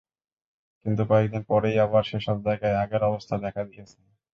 কিন্তু কয়েক দিন পরই আবার সেসব জায়গায় আগের অবস্থা দেখা দিয়েছে।